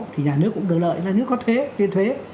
thì nhà nước cũng được lợi nhà nước có thuế